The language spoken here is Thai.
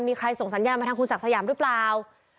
มีใครส่งสัญญาณมาทางคุณศักดิ์สยามหรือเปล่า